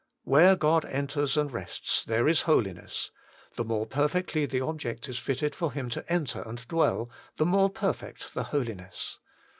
Where God enters and rests, there is holiness : the more perfectly the object is fitted for Him to enter and dwell, the more perfect the holiness.